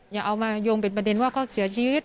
อย่าเอามาโยงเป็นประเด็นว่าเขาเสียชีวิต